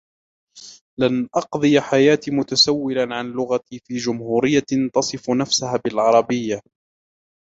لن أقضي حياتي متسولا عن لغتي في جمهورية تصف نفسها بالعربية.